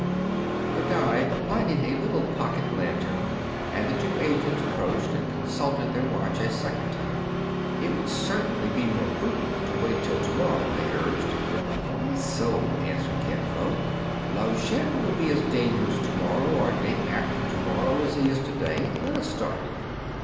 The guide lighted a little pocket lantern, and the " two agents approached, and consulted their watch a second time. i'lt would certainly be more prudent to wait till to morrow," they urged. " Why so ?" answered Kin Fo. " Lao Shen will be as dangerous to morrow or day after to morrow as he is to day. Let us start."